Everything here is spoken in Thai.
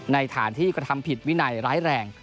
ฐานที่กระทำผิดวินัยร้ายแรง